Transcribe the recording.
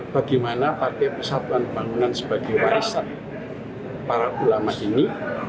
bagaimana partai persatuan pembangunan sebagai warisan para ulama ini